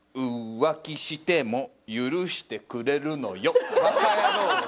「浮気しても許してくれるのよ」。